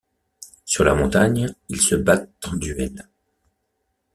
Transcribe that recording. Sur la montagne, ils se battent en duel.